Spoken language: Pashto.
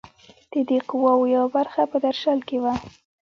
د دې قواوو یوه برخه په درشل کې وه.